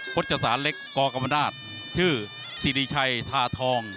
จศาลเล็กกกรรมนาศชื่อสิริชัยทาทอง